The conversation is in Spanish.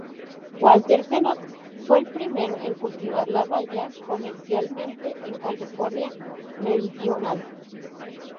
Walter Knott fue el primero en cultivar la baya comercialmente en California meridional.